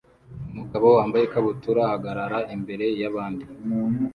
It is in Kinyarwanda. Umugabo wambaye ikabutura ahagarara imbere yabandi